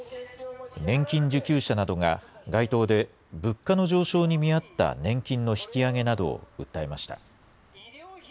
年金受給者などが、街頭で物価の上昇に見合った年金の引き上げなどを訴えました。